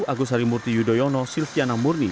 agus harimurti yudhoyono silviana murni